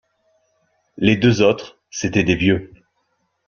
Les deux autres, c’étaient des vieux.